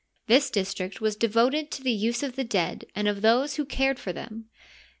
This district was de voted to the use of the dead and of those who cared for them.